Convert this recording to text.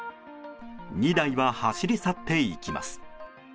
２台は走り去っていきます。